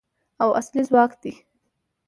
او اصلي ځواک دی.